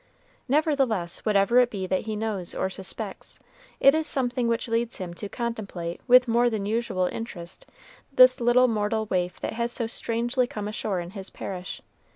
Nevertheless, whatever it be that he knows or suspects, it is something which leads him to contemplate with more than usual interest this little mortal waif that has so strangely come ashore in his parish.